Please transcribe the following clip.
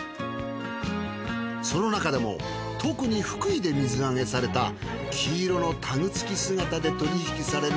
その中でも特に福井で水揚げされた黄色のタグ付き姿で取り引きされる